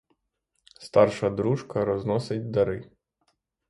Старша дружка розносить дари.